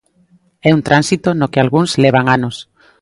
É un tránsito no que algúns levan anos.